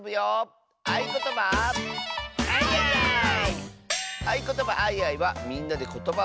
「あいことばあいあい」はみんなでことばをあわせるあそび！